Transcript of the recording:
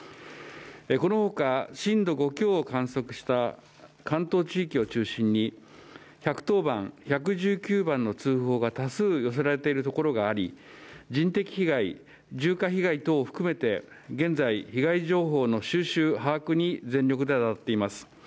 このほか、震度５強を観測した関東地域を中心に１１０番、１１９番の通報が多数寄せられているところがあり人的被害、住家被害等を含めて現在、被害情報の収集把握に全力で当たっています。